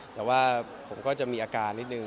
แต่ว่าผมก็จะมีอาการนิดนึง